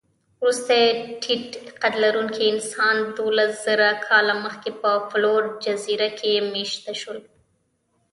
وروستي ټيټقدلرونکي انسانان دوولسزره کاله مخکې په فلور جزیره کې مېشته شول.